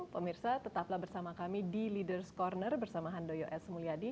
pemirsa tetaplah bersama kami di leaders' corner bersama handoyo s mulyadi